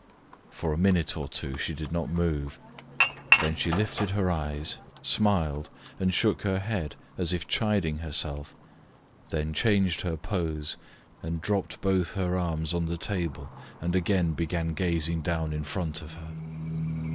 For a minute or two she did not move; then she lifted her eyes, smiled and shook her head as if chiding herself, then changed her pose and dropped both her arms on the table and again began gazing down in front of her.